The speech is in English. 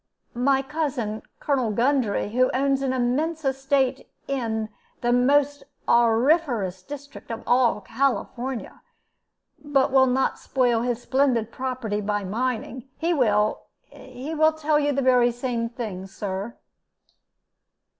My cousin, Colonel Gundry, who owns an immense estate in the most auriferous district of all California, but will not spoil his splendid property by mining, he will he will tell you the very same thing, Sir."